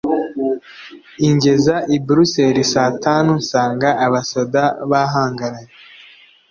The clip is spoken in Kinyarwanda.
ingeza i Bruseli sa tanu, nsanga abasoda bahangaraye